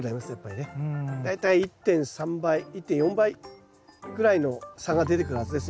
大体１．３倍１．４倍くらいの差が出てくるはずです